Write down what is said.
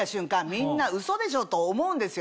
みんなウソでしょと思うんですよ。